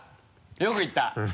よく言った。